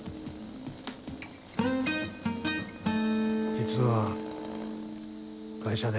実は会社で。